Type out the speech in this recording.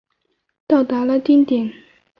达到了顶点。